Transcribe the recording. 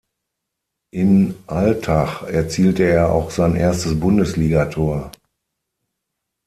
In Altach erzielte er auch sein erstes Bundesligator.